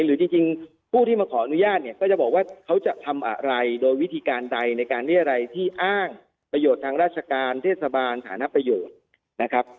หรือจริงผู้ที่มาขออนุญาตเนี่ยก็จะบอกว่าเขาจะทำอะไรโดยวิธีการใดในการเรียรัยที่อ้างประโยชน์ทางราชการเทศบาลฐานประโยชน์นะครับ